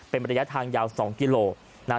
เป็นระยะทางยาว๒กิโล